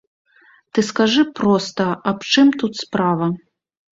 Ты скажы проста, аб чым тут справа.